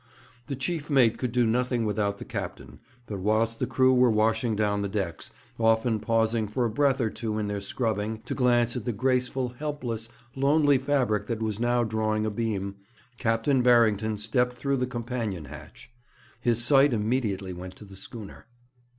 The chief mate could do nothing without the captain; but, whilst the crew were washing down the decks, often pausing for a breath or two in their scrubbing to glance at the graceful, helpless, lonely fabric that was now drawing abeam, Captain Barrington stepped through the companion hatch. His sight immediately went to the schooner.